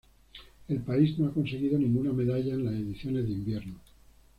El país no ha conseguido ninguna medalla en las ediciones de invierno.